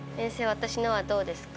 私のはどうですか？